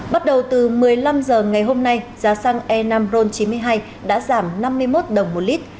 bắt đầu từ một mươi năm h ngày hôm nay giá xăng e năm ron chín mươi hai đã giảm năm mươi một đồng một lít